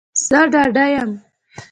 زه ډاډه یم